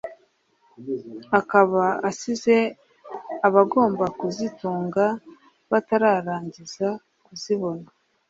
akaba asize abagomba kuzitunga batararangiza kuzibona